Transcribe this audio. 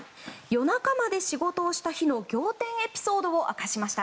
夜中まで仕事をした日の仰天エピソードを明かしました。